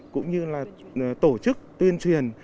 cũng như là tổ chức tuyên truyền